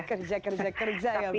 kerja kerja kerja ya